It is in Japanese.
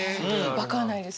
分からないです